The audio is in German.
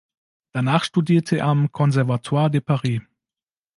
Danach studierte er am Conservatoire de Paris.